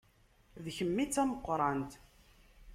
D kemm i d tameqqrant.